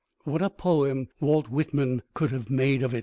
What a poem Walt Whitman could have made of it!